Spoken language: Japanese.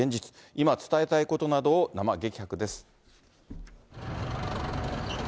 今伝えたいことなどを生激白です。